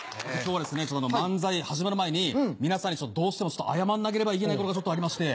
今日は漫才始まる前に皆さんにどうしても謝らなければいけないことがありまして。